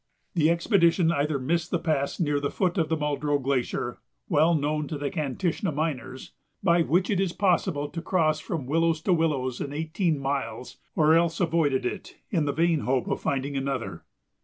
The expedition either missed the pass near the foot of the Muldrow Glacier, well known to the Kantishna miners, by which it is possible to cross from willows to willows in eighteen miles, or else avoided it in the vain hope of finding another.